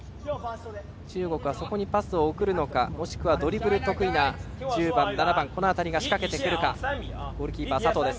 中国はそこにパスを送るかもしくはドリブルが得意な１０番、７番この辺りが仕掛けてくるか。